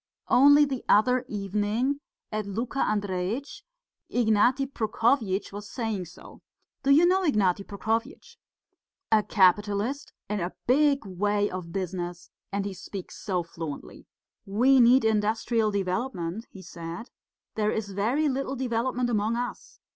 Only the other evening, at Luka Andreitch's, Ignaty Prokofyitch was saying so. Do you know Ignaty Prokofyitch? A capitalist, in a big way of business, and he speaks so fluently. 'We need industrial development,' he said; 'there is very little development among us.